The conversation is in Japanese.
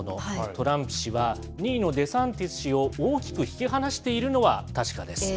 トランプ氏は２位のデサンティス氏を大きく引き離しているのは確かです。